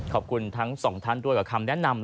ขอบคุณทั้งสองท่านด้วยกับคำแนะนำ